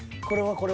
これは？